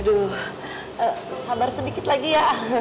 aduh sabar sedikit lagi ya